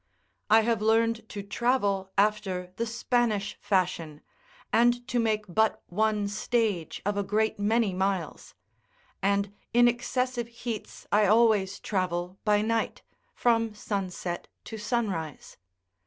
I have learned to travel after the Spanish fashion, and to make but one stage of a great many miles; and in excessive heats I always travel by night, from sun set to sunrise.